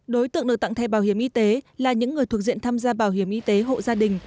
đối tượng được tặng thẻ bảo hiểm y tế là những người thuộc diện tham gia bảo hiểm y tế hộ gia đình